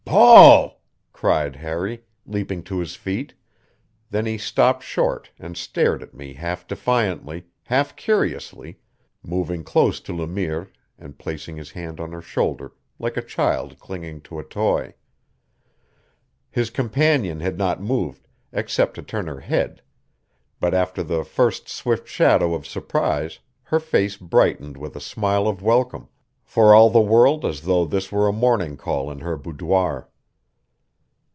"Paul!" cried Harry, leaping to his feet; then he stopped short and stared at me half defiantly, half curiously, moving close to Le Mire and placing his hand on her shoulder like a child clinging to a toy. His companion had not moved, except to turn her head; but after the first swift shadow of surprise her face brightened with a smile of welcome, for all the world as though this were a morning call in her boudoir.